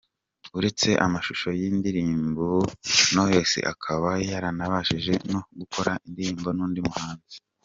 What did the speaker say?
Uretse amashusho y’indirimbo, Knowless akaba yarabashije no gukorana indirimbo n’undi muhanzi.